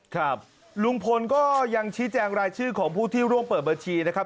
ครับลุงพลก็ยังชี้แจงรายชื่อของผู้ที่ร่วมเปิดบัญชีนะครับ